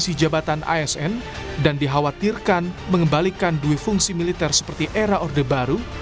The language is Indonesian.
mengisi jabatan asn dan dikhawatirkan mengembalikan dui fungsi militer seperti era orde baru